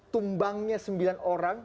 tumbangnya sembilan orang